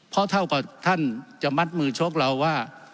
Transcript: เพราะเท่ากับท่านจะมัดมือชกเราว่า